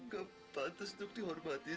kamu udah makan